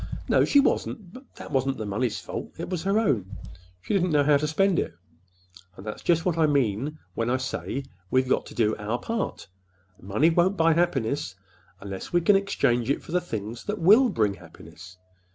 "No, she wasn't. But that wasn't the money's fault. It was her own. She didn't know how to spend it. And that's just what I mean when I say we've got to do our part—money won't buy happiness, unless we exchange it for the things that will bring happiness.